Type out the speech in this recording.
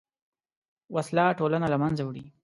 وسله ټولنه له منځه وړي